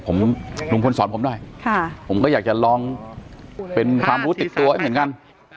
ผมก็อยากจะลองเป็นความรู้ติดตัวเหมือนกัน